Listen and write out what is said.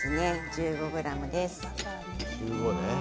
１５ｇです。